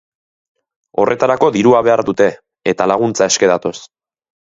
Horretarako dirua behar dute, eta laguntza eske datoz.